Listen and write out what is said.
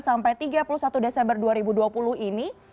sampai tiga puluh satu desember dua ribu dua puluh ini